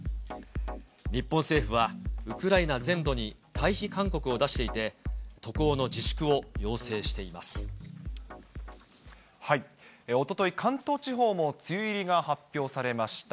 日本政府は、ウクライナ全土に退避勧告を出していて、おととい、関東地方も梅雨入りが発表されました。